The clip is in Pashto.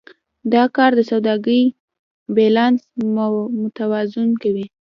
دا کار د سوداګرۍ بیلانس متوازن کوي.